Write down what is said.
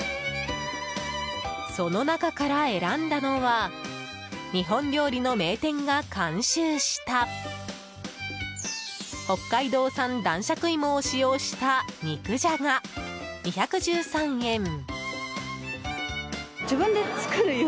その中から選んだのは日本料理の名店が監修した北海道産男爵いもを使用した肉じゃが、２１３円。